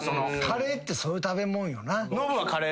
カレーってそういう食べもんよな。